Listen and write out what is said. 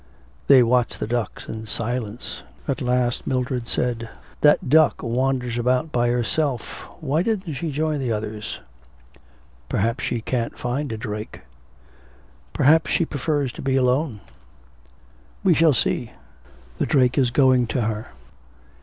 They watched the ducks in silence. At last Mildred said, 'That duck wanders about by herself; why doesn't she join the others?' 'Perhaps she can't find a drake.' 'Perhaps she prefers to be alone.' 'We shall see the drake is going to her.'